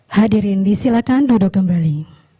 hadirin disilakan duduk kembali